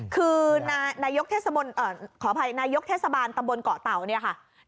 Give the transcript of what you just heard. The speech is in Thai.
คือนายกเทศบาลตำบลเกาะเตาเนี่ยค่ะ